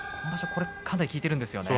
これがかなり効いているんですね。